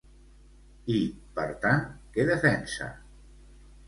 I, per tant, què defensa?